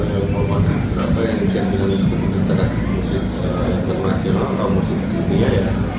yang membuat apa yang bisa kita lakukan untuk mencerah musik internasional atau musik dunia ya